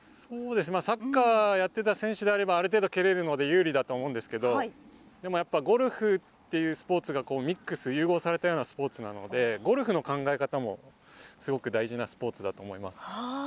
サッカーをやってた選手であればある程度蹴れるので有利だと思うんですけどでも、やっぱりゴルフというスポーツが融合されたようなスポーツなのでゴルフの考え方もすごく大事なスポーツだと思います。